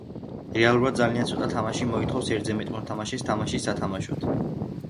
რეალურად ძალიან ცოტა თამაში მოითხოვს ერთზე მეტ მოთამაშეს თამაშის სათამაშოდ.